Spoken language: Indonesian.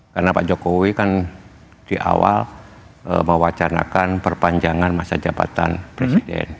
karena pak jokowi kan di awal mewacanakan perpanjangan masa jabatan presiden